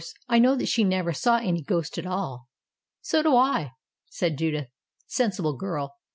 I know that she never saw any ghost at all." "So do I," said Judith. "Sensible girl.